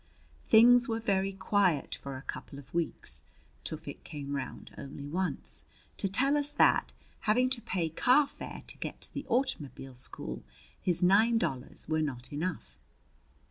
Things were very quiet for a couple of weeks. Tufik came round only once to tell us that, having to pay car fare to get to the automobile school, his nine dollars were not enough.